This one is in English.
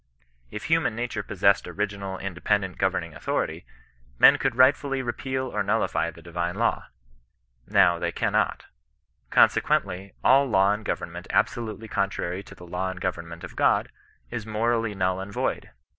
If human nature possessed original, independent governing authority, men could rightfully repeal or nul lify the divine law. Now they cannot. Consequently all law and government absolutely contrary to tne law and government of God is morally null and void.